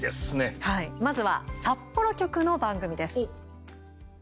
まずは札幌局の番組です。